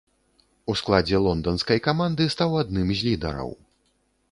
У складзе лонданскай каманды стаў адным з лідараў.